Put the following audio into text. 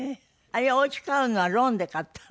あれおうち買うのはローンで買った？